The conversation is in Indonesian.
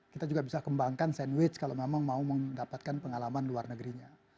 kita juga bisa kembangkan sandwich kalau memang mau mendapatkan pengalaman luar negerinya